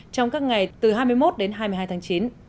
trong các ngày từ hai mươi một đến hai mươi hai tháng chín